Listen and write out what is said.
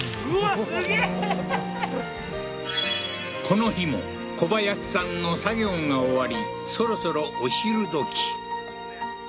この日も小林さんの作業が終わりそろそろお昼どき